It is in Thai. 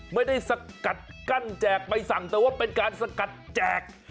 ไม่ได้สกัดกั้นแจกใบสั่งแต่ว่าเป็นการสกัดแจก